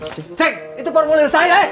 ceng itu formulir saya